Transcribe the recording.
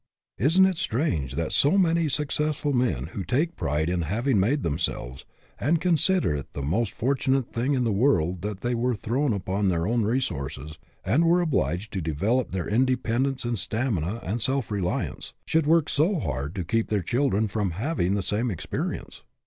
Isn't it strange that so many successful men who take pride in having made themselves, and consider it the most fortunate thing in the world that they were thrown upon their own resources and were obliged to develop their independence and stamina and self reliance, should work so hard to keep their children from having the same experience?